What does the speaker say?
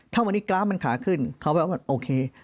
ถ้าวันนี้กราฟมันขาขึ้นเขาแบบว่าโอเค